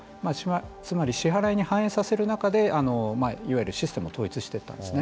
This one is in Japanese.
つまり支払いに反映させる中でいわゆるシステムを統一していったんですね。